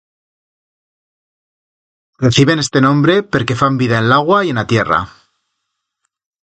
Reciben este nombre perque fan vida en l'augua y en a tierra.